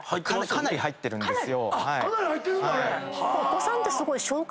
かなり入ってるんですよ。